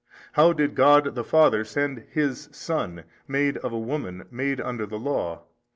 how did God the Father send His Son, made of a woman, made under the law?